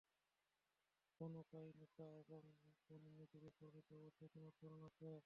বনূ Qaynuqa এবং Banu নযীরের পরিণতি অবশ্যই তোমার স্মরণ আছে।